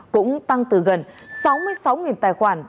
cũng tăng từ gần sáu mươi sáu tài khoản